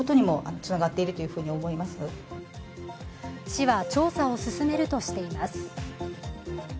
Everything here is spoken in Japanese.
市は調査を進めるとしています。